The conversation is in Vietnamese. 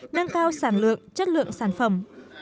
nâng cao sản lượng chất lượng sản phẩm